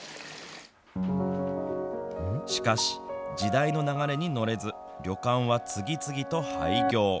しかし、時代の流れに乗れず、旅館は次々と廃業。